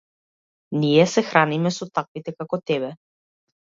Ние се храниме со таквите како тебе.